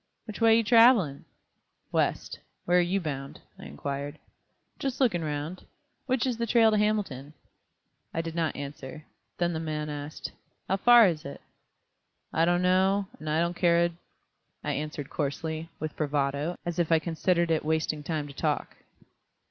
"Which way you traveling?" "West. Where 're you bound?" I inquired. "Just lookin' round. Which is the trail to Hamilton?" I did not answer. Then the man asked: "How far is it?" "I don't know, and I don't care a d ," I answered coarsely, with bravado, as if I considered it wasting time to talk.